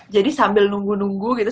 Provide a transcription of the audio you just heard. jadi sambil nunggu nunggu gitu